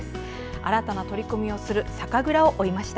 新たな取り組みをする酒蔵を追いました。